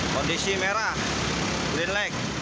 kondisi merah lelik